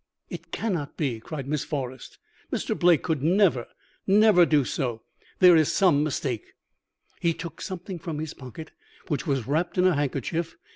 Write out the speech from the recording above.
"'It cannot be!' cried Miss Forrest. 'Mr. Blake could never, never do so. There is some mistake.' "He took something from his pocket which was wrapped in a handkerchief.